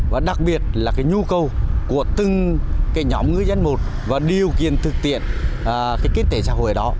và đặc biệt là nhu cầu của từng nhóm người dân một và điều kiện thực tiện kinh tế xã hội đó